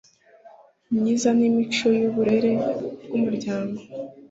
myiza n'imico y'uburere bw'umuryango